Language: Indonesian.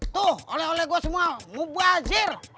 tuh oleh oleh gue semua mubazir